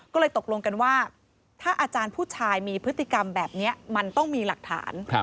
ก็เลยตกลงกันว่าถ้าอาจารย์ผู้ชายมีพฤติกรรมแบบนี้มันต้องมีหลักฐาน